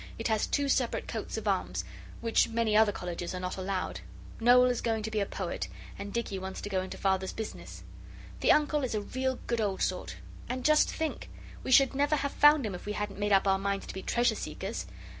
It has two separate coats of arms, which many other colleges are not allowed. Noel is going to be a poet and Dicky wants to go into Father's business. The Uncle is a real good old sort; and just think, we should never have found him if we hadn't made up our minds to be Treasure Seekers!